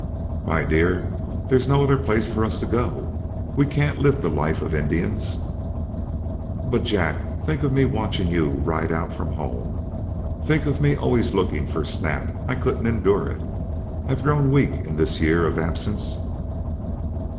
"My dear, there's no other place for us to go. We can't live the life of Indians." "But Jack, think of me watching you ride out from home! Think of me always looking for Snap! I couldn't endure it. I've grown weak in this year of absence."